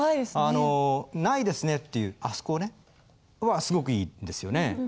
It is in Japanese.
あの「ないですね」っていうあそこねすごくいいですよね。